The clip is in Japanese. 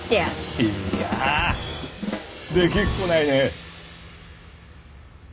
いいや出来っこないね。